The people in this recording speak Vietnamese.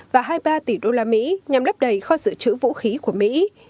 và hai mươi ba tỷ đô la mỹ nhằm lấp đầy kho sửa chữ vũ khí của mỹ